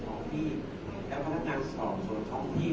อย่างเนี่ยถ้าเกิดถ้าสงสัยก็สั่งมาสอบก่อนเติมหรือไม่